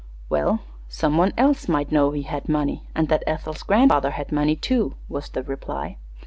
"Well, some one else might know he had money, and that Ethel's grandfather had money, too," was the reply.